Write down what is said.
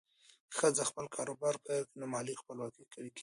که ښځه خپل کاروبار پیل کړي، نو مالي خپلواکي قوي کېږي.